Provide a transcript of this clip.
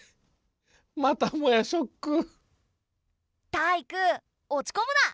タイイク落ちこむな。